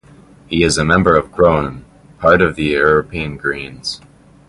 He is a member of Groen, part of the European Greens.